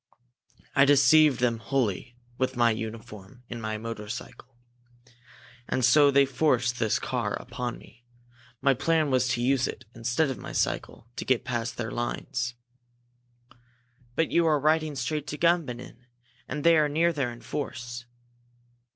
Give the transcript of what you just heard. I deceived them wholly, with my uniform, and my motorcycle. And so they forced this car upon me! My plan was to use it, instead of my cycle, to get past their lines." "But you are riding straight to Gumbinnen and they are near there in force!"